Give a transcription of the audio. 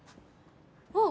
あっ！